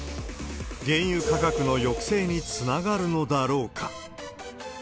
原油価格の抑制につながるのだろうか。